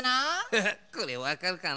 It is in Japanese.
フフッこれわかるかな？